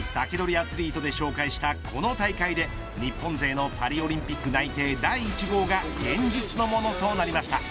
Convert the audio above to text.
アツリートで紹介したこの大会で日本勢のパリオリンピック内定第１号が現実のものとなりました。